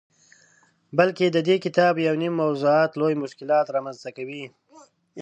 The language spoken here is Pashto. بلکه ددې کتاب یونیم موضوعات لوی مشکلات رامنځته کوي.